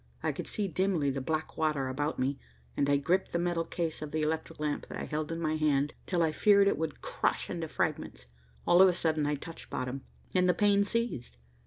I could see dimly the black water about me, and I gripped the metal case of the electric lamp that I held in my hand, till I feared it would crush into fragments. All of a sudden I touched bottom, and the pain ceased.